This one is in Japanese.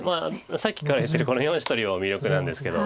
さっきから言ってるこの４子取りも魅力なんですけど。